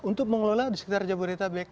untuk mengelola di sekitar jabodetabek